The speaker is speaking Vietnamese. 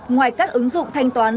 ngoài các ứng dụng thanh toán